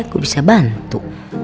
gua bisa bantu